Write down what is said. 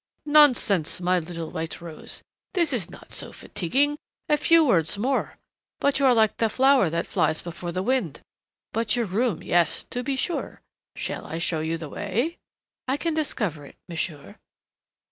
"Nonsense, my little white rose. This is not so fatiguing a few words more. But you are like the flower that flies before the wind.... But your room, yes, to be sure. Shall I show you the way?" "I can discover it, monsieur."